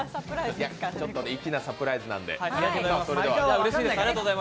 ちょっと粋なサプライズなんで。